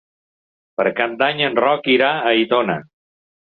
Per Cap d'Any en Roc irà a Aitona.